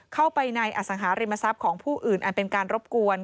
เข้าไปในอสังหาริมทรัพย์ของผู้อื่นอันเป็นการรบกวน